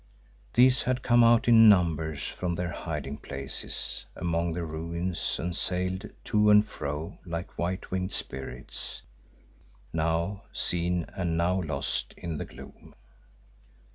These had come out in numbers from their hiding places among the ruins and sailed to and fro like white winged spirits, now seen and now lost in the gloom.